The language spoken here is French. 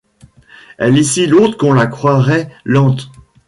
Elle est si lourde qu’on la croirait lente.